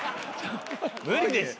無理です。